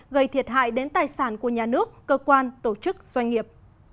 gây thiệt hại đến tài sản của nhà nước cơ quan tổ chức doanh nghiệp